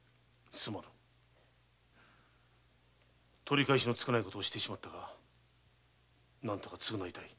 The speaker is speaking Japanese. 取り返しのつかぬ事をしてしまったが何とか償いたい。